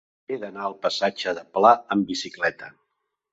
He d'anar al passatge de Pla amb bicicleta.